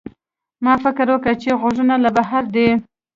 ما فکر وکړ چې غږونه له بهر دي.